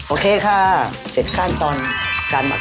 โอเคค่ะเสร็จขั้นตอนการหมัก